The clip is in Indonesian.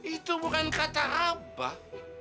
itu bukan kata abah